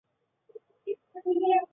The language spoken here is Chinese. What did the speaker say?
韩国庆州的妈妈钟据说以此法铸成。